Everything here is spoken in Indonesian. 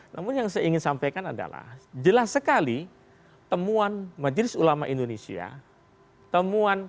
namun yang saya ingin sampaikan adalah jelas sekali temuan majelis ulama indonesia